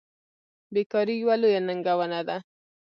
بیکاري یوه لویه ننګونه ده.